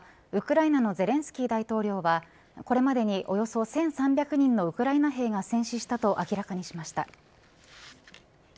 ウクライナのゼレンスキー大統領はこれまでにおよそ１３００人のウクライナ兵が戦死したと明らかにしました。